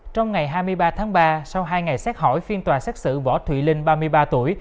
trong ngày hai mươi ba tháng ba sau hai ngày xét hỏi phiên tòa xét xử võ thùy linh ba mươi ba tuổi